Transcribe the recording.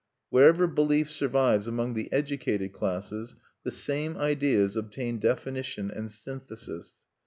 Wherever belief survives among the educated classes, the same ideas obtain definition and synthesis.